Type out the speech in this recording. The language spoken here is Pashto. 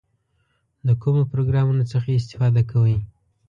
د کومو پروګرامونو څخه استفاده کوئ؟